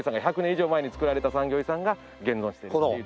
以上前に造られた産業遺産が現存しているというところ。